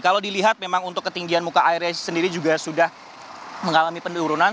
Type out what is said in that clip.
kalau dilihat memang untuk ketinggian muka airnya sendiri juga sudah mengalami penurunan